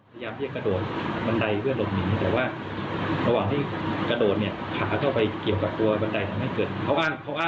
พยายามที่จะกระโดดบันไดเบื่อหลงนี้แต่ว่าระหว่างที่กระโดดเนี่ย